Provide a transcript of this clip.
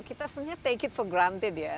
kita sebenarnya take it for granted ya